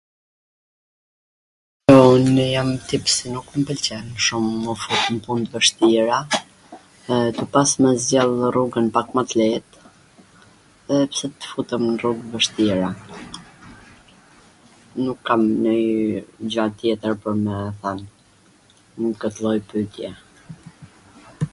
un jam tip si nuk m pwlqen shum m' u fut nw pun t vwshtira, dhe tu pas me zgjedh rrugwn pak mw t leet, edhe pse t futem n rrug t vwshtira, nuk kam ndonjw gja tjetwr pwr me than nw kwt lloj pytje